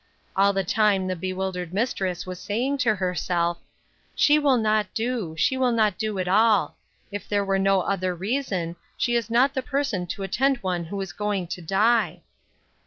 All the time the bewildered mistress was saying to her self, " She will not do ; she will not do at all ; if there were no other reason, she is not the person to attend one who is going to die."